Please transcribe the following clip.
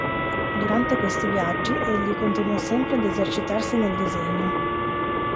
Durante questi viaggi egli continuò sempre ad esercitarsi nel disegno.